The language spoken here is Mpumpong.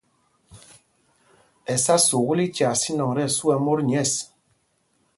Ɛsá sukûl í tyaa sínɔŋ tí ɛsu ɛ́ mot nyɛ̂ɛs.